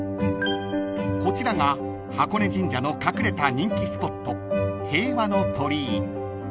［こちらが箱根神社の隠れた人気スポット平和の鳥居］